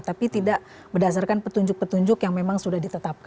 tapi tidak berdasarkan petunjuk petunjuk yang memang sudah ditetapkan